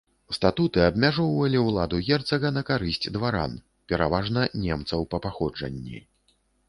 Статуты абмяжоўвалі ўладу герцага на карысць дваран, пераважна немцаў па паходжанні.